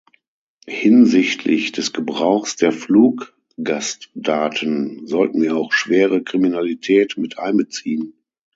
Hinsichtlich des Gebrauchs der Fluggastdaten sollten wir auch schwere Kriminalität mit einbeziehen.